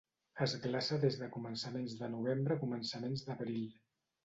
Es glaça des de començaments de novembre a començaments d'abril.